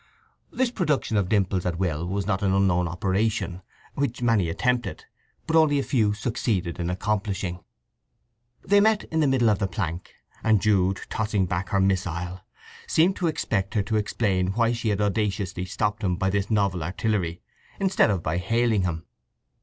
This production of dimples at will was a not unknown operation, which many attempted, but only a few succeeded in accomplishing. They met in the middle of the plank, and Jude, tossing back her missile, seemed to expect her to explain why she had audaciously stopped him by this novel artillery instead of by hailing him.